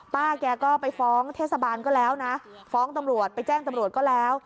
แกก็ไปฟ้องเทศบาลก็แล้วนะฟ้องตำรวจไปแจ้งตำรวจก็แล้ว